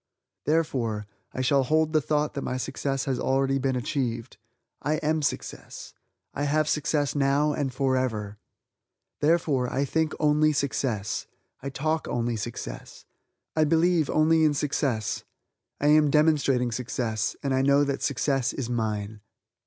Therefore, I shall hold the thought that my success has already been achieved. I am Success, I have success now and forever! Therefore, I think only success; I talk only success; I believe only in success; I am demonstrating success, and I know that success is mine.